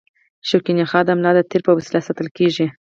شوکي نخاع د ملا د تیر په وسیله ساتل کېږي.